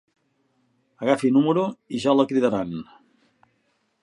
Agafi número i ja la cridaran.